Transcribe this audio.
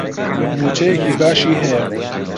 مووچەیەکی باشی هەیە.